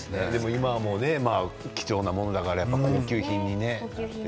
今は貴重なものだから高級品にね。